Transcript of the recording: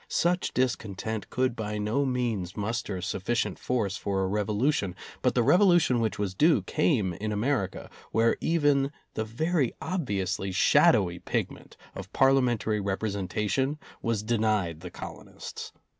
Such discontent could by no means muster sufficient force for a revolution, but the Revolution which was due came in America where even the very obviously shadowy pigment of Parliamentary representation was denied the colonists.